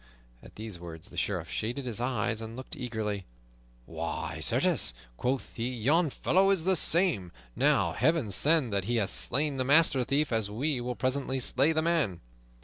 At these words the Sheriff shaded his eyes and looked eagerly. "Why, certes," quoth he, "yon fellow is the same. Now, Heaven send that he hath slain the master thief, as we will presently slay the man!"